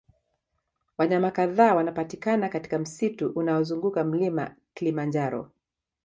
Wanyama kadhaa wanapatikana katika msitu unaozunguka mlima kilimanjaro